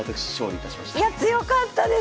いや強かったです！